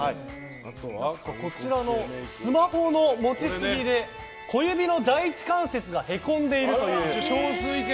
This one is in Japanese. あとはスマホの持ちすぎで小指の第１関節がへこんでいるという。